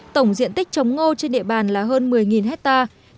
tổng diện tích trồng ngô trên địa bàn là hơn một mươi hectare